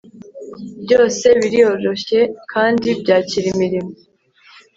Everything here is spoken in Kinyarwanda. byose biroroshye kandi byakira imirimo